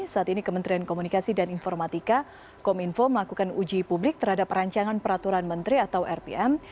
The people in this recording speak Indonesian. saat ini kementerian komunikasi dan informatika kominfo melakukan uji publik terhadap rancangan peraturan menteri atau rpm